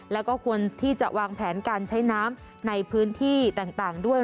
แล้วก็ควรที่จะวางแผนการใช้น้ำในพื้นที่ต่างด้วย